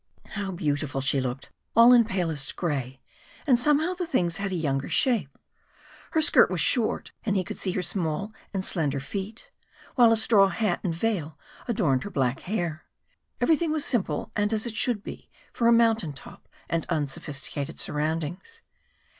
How beautiful she looked, all in palest grey, and somehow the things had a younger shape. Her skirt was short, and he could see her small and slender feet, while a straw hat and veil adorned her black hair. Everything was simple, and as it should be for a mountain top and unsophisticated surroundings.